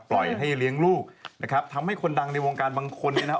ปล่อยให้เลี้ยงลูกนะครับทำให้คนดังในวงการบางคนเนี่ยนะครับ